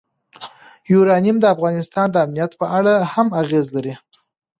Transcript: یورانیم د افغانستان د امنیت په اړه هم اغېز لري.